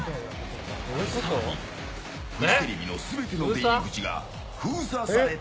更に、フジテレビの全ての出入り口が封鎖された。